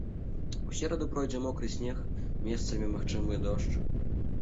У сераду пройдзе мокры снег, месцамі магчымы і дождж.